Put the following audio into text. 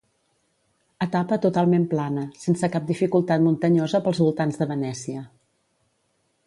Etapa totalment plana, sense cap dificultat muntanyosa pels voltants de Venècia.